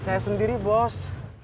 saya sendiri bos